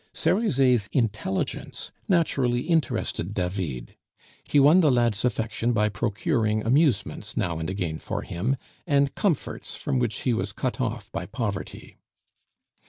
Cerizet's intelligence naturally interested David; he won the lad's affection by procuring amusements now and again for him, and comforts from which he was cut off by poverty.